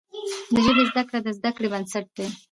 د ژبي زده کړه د زده کړې بنسټ دی.